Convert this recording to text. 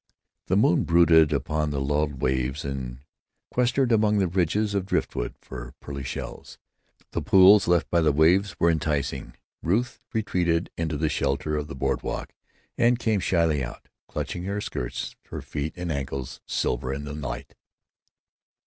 The moon brooded upon the lulled waves, and quested among the ridges of driftwood for pearly shells. The pools left by the waves were enticing. Ruth retreated into the shelter of the board walk and came shyly out, clutching her skirts, her feet and ankles silver in the light.